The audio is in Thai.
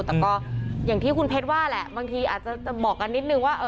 แต่ก็อย่างที่คุณเพชรว่าแหละบางทีอาจจะบอกกันนิดนึงว่า